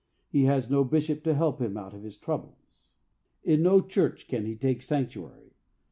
He has no bishop to help him out of his troubles. In no church can he take sanctuary.